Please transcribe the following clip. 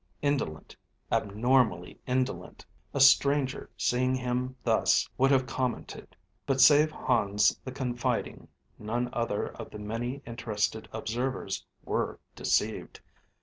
Indolent, abnormally indolent, a stranger seeing him thus would have commented; but, save Hans the confiding, none other of the many interested observers were deceived.